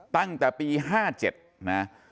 ตั้งแต่ปี๕๗นะ